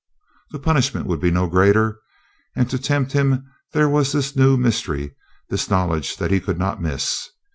The punishment would be no greater. And to tempt him there was this new mystery, this knowledge that he could not miss.